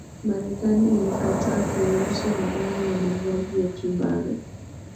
marekani ilikataa kuruhusu madai ya mauaji ya kimbari